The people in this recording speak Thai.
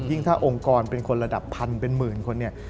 ถ้าองค์กรเป็นคนระดับพันเป็นหมื่นคนเนี่ย